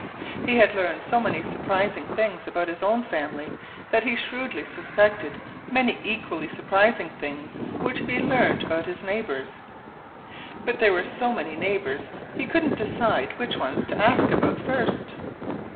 He had learned so many surprising things about his own family that he shrewdly suspected many equally surprising things were to be learned about his neighbors. But there were so many neighbors he couldn't decide which one to ask about first.